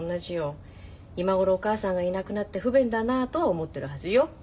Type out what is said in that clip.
今頃お母さんがいなくなって不便だなとは思ってるはずよ。